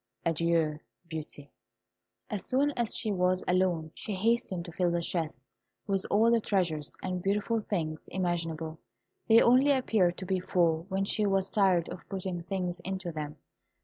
Adieu, Beauty." As soon as she was alone she hastened to fill the chests with all the treasures and beautiful things imaginable. They only appeared to be full when she was tired of putting things into them.